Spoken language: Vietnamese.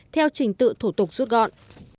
theo trình tự thủ tục rút gọn